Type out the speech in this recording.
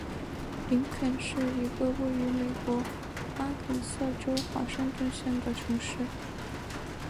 林肯是一个位于美国阿肯色州华盛顿县的城市。